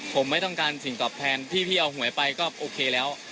ผมไม่ต้องการสิ่งตอบแทนที่พี่เอาหวยไปก็โอเคแล้ว